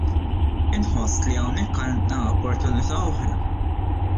Inħoss li hawnhekk għandna opportunità oħra.